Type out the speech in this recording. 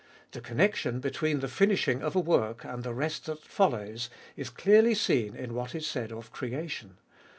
The connection between the finishing of a work and the rest that follows is clearly seen in what is said of creation.